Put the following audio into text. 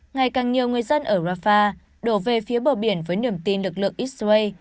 ngày càng nhiều người dân ở rafah đổ về phía bờ biển với niềm tin lực lượng israel